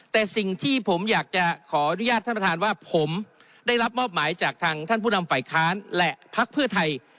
แต่สิ่งที่ผมอยากจะขออนุญาตท่านประธานว่าผมได้รับมอบหมายจากทางท่านผู้นำฝ่ายค้านและพักเพื่อไทย